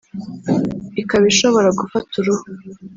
ikaba ishobora gufata uruhu